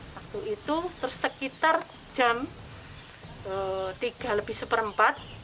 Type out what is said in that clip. waktu itu tersekitar jam tiga lebih seperempat